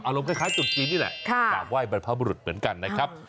ลงคล้ายจุดจีนนี่แหละกราบไห้บรรพบุรุษเหมือนกันนะครับ